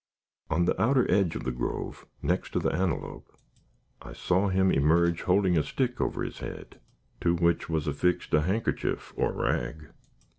On the outer edge of the grove, next to the antelope, I saw him emerge, holding a stick over his head, to which was affixed a handkerchief or rag.